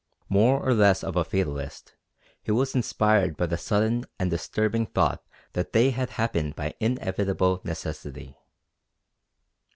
More or less of a fatalist, he was inspired by the sudden and disturbing thought that they had happened by inevitable necessity.